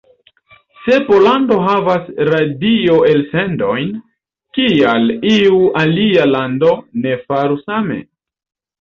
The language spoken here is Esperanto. Se Pollando havas radio-elsendojn, kial iu alia lando ne faru same?